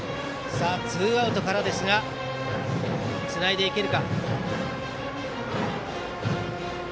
ツーアウトからですがつないでいけるか。